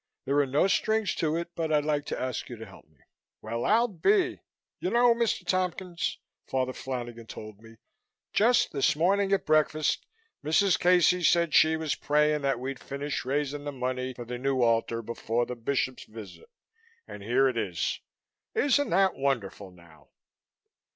There are no strings to it but I'd like to ask you to help me." "Well, I'll be You know, Mr. Tompkins," Father Flanagan told me, "just this morning at breakfast Mrs. Casey said she was praying that we'd finish raising the money for the new altar before the Bishop's visit, and here it is. Isn't that wonderful, now?"